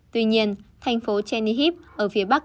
tuy nhiên thành phố chernihiv ở phía bắc